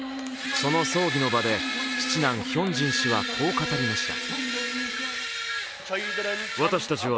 その葬儀の場で７男・ソンミョン氏はこう語りました。